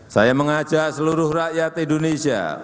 saya mengajak seluruh rakyat indonesia